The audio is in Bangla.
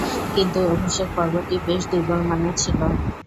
কিন্তু, অভিষেক পর্বটি বেশ দূর্বলমানের ছিল।